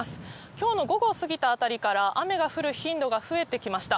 きょう午後を過ぎたあたりから、雨が降る頻度が増えてきました。